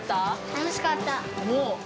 楽しかった。